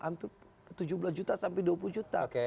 hampir tujuh belas juta sampai dua puluh juta